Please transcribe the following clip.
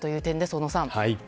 小野さん。